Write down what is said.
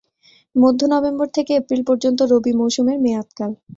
মধ্য-নভেম্বর থেকে এপ্রিল পর্যন্ত রবি মৌসুমের মেয়াদকাল।